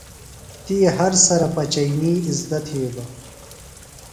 تی ہر سرہ پچئینی اِزدہ تِھیلوۡ۔